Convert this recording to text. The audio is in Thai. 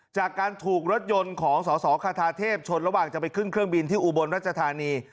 จากการถูกรถยนต์ของสสคาทาเทพชนระหว่างจะไปขึ้นเครื่องบินที่อุบลรัชธานี